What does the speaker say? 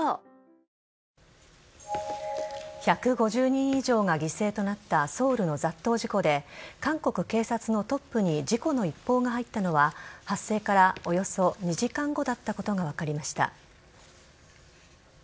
１５０人以上が犠牲となったソウルの雑踏事故で韓国警察のトップに事故の一報が入ったのは発生からおよそ２時間後だったことが分かりました。